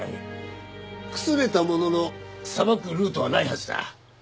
くすねたものの捌くルートはないはずだ。